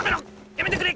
やめてくれ！